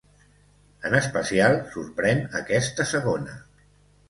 En especial, sorprèn aquesta segona.